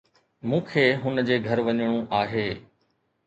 مون کي هن جي گهر وڃڻو آهي